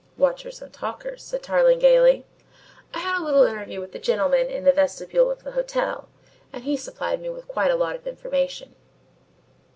"Watchers and talkers," said Tarling gaily. "I had a little interview with the gentleman in the vestibule of the hotel and he supplied me with quite a lot of information.